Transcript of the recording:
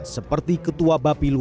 seperti ketua bapak